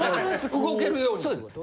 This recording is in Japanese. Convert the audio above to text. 動けるようにってこと？